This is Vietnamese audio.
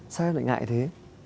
sao em lại ngại thế